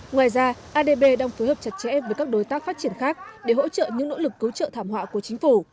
ngoài ra adb đang phối hợp chặt chẽ với các đối tác phát triển khác để hỗ trợ những nỗ lực cứu trợ thảm họa của chính phủ